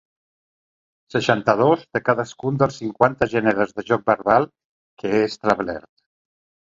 Seixanta-dos de cadascun dels cinquanta gèneres de joc verbal que he establert.